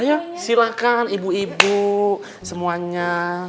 ya silahkan ibu ibu semuanya